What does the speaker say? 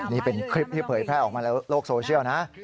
นี่เป็นคลิปที่เผยแพร่ออกมาแล้วโลกโซเชียลนะ